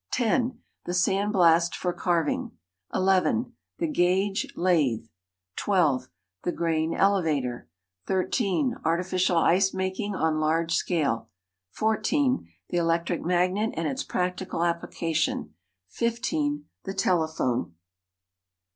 (10) The Sand Blast for Carving. (11) The Gauge Lathe. (12) The Grain Elevator. (13) Artificial Ice Making on Large Scale. (14) The Electric Magnet and Its Practical Application. (15) The Telephone.